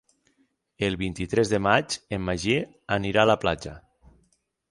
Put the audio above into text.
El vint-i-tres de maig en Magí anirà a la platja.